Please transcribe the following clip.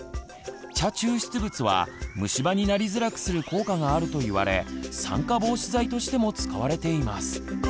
チャ抽出物は虫歯になりづらくする効果があると言われ酸化防止剤としても使われています。